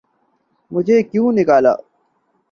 'مجھے کیوں نکالا؟